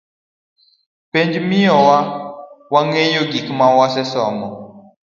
Penj miyowa wangeyo gik ma wasesomo.